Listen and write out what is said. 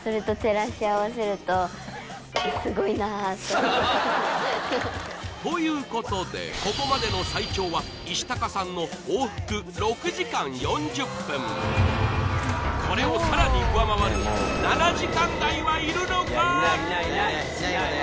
私ということでここまでの最長は石高さんの往復６時間４０分これをさらに上回るいないもういないいないよね